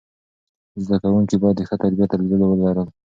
زده کوونکي باید د ښه تربیت درلودل ولري.